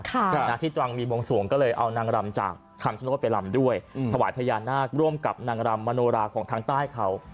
ที่ตรังมีบวงสวงก็เลยเอานางรำจากคำชโนธไปรำด้วยอืมถวายพญานาคร่วมกับนางรำมโนราของทางใต้เขา